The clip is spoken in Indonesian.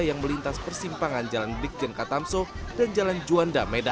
yang melintas persimpangan jalan brikjen katamso dan jalan juanda medan